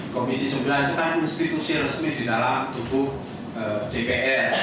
komisi sembilan itu kan institusi resmi di dalam tubuh dpr